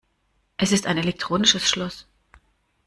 Es ist ein elektronisches Schloss.